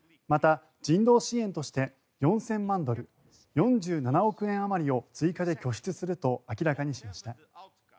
また、人道支援として４０００万ドル４７億円あまりを追加で拠出すると明らかにしました。